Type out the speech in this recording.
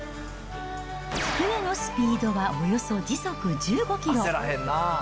船のスピードはおよそ時速１５キロ。